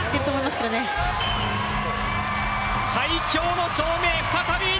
最強の証明再び。